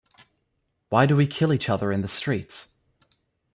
Why do we kill each other in the streets?